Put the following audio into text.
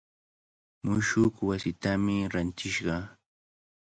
Mushuq wasitami rantishqa.